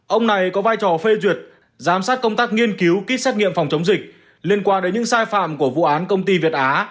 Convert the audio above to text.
ông này có vai trò phê duyệt giám sát công tác nghiên cứu ký xét nghiệm phòng chống dịch liên quan đến những sai phạm của vụ án công ty việt á